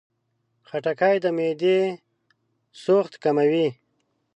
خټکی د معدې سوخت کموي.